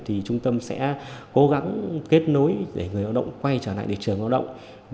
thì trung tâm sẽ cố gắng kết nối để người lao động quay trở lại thị trường lao động